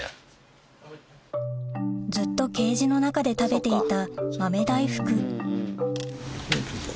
ずっとケージの中で食べていた豆大福